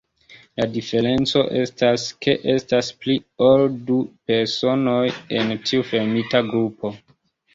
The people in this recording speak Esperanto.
La diferenco estas, ke estas pli ol du personoj en tiu fermita grupo.